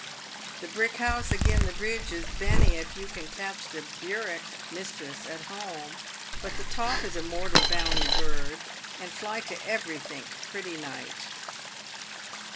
" The brick house agin the bridge is bene if you can catch the ' burerk' (mistress) at home, but the ' toff' is a mortal downy bird, and ily to every think pretty night